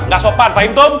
nggak sopan fahim tum